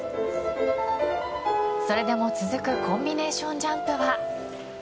それでも続くコンビネーションジャンプは。